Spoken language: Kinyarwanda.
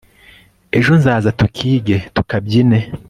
ejo nzaza tukige tukabyine